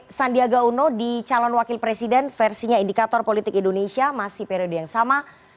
pak sandiaga uno di calon wakil presiden versinya indikator politik indonesia masih periode yang sama